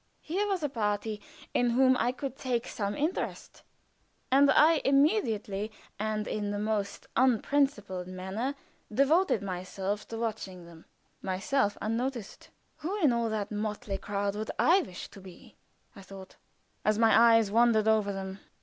Here was a party in whom I could take some interest, and I immediately and in the most unprincipled manner devoted myself to watching them myself unnoticed. "Who in all that motley crowd would I wish to be?" I thought, as my eyes wandered over them.